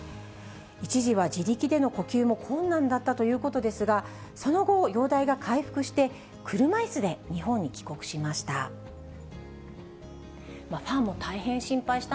一時は自力での呼吸も困難だったということですが、その後、容体が回復して、車いすで日本に帰国しました。